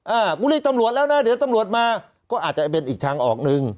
กูเรียกตำรวจแล้วนะเดี๋ยวตำรวจมาก็อาจจะเป็นอีกทางออกหนึ่ง